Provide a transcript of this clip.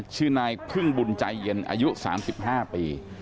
ชื่อนายพึ่งบุญใจเย็นอายุ๓๕ปี